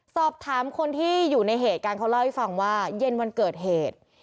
สอบถามคนที่อยู่ในเหตุการณ์เขาเล่าให้ฟังว่าเย็นวันเกิดเหตุ